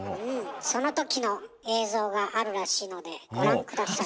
その時の映像があるらしいのでご覧下さい。